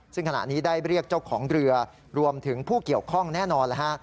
ซึ่งขณะนี้ได้เรียกเจ้าของเรือรวมถึงผู้เกี่ยวข้องแน่นอน